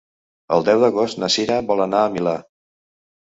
El deu d'agost na Cira vol anar al Milà.